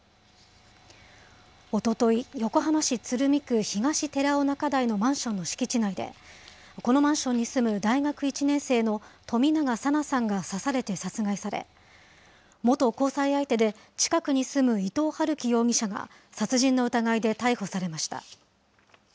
おととい、横浜市鶴見区東寺尾中台のマンションの敷地内で、このマンションに住む大学１年生の冨永紗菜さんが刺されて殺害され、元交際相手で近くに住む伊藤龍稀容疑者が、殺人の疑いで逮捕されました。